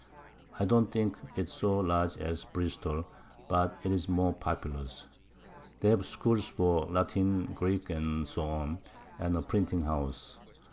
I don't think it so large as Bristol, but 'tis more populous: They have Schools for Latin, Greek, &c. and a Printing House.